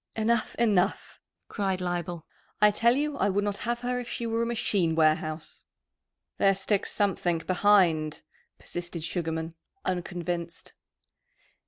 "Enough, enough!" cried Leibel. "I tell you I would not have her if she were a machine warehouse." "There sticks something behind," persisted Sugarman, unconvinced.